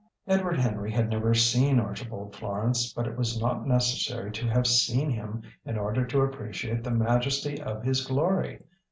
Edward Henry had never seen Archibald Florance, but it was not necessary to have seen him in order to appreciate the majesty of his glory.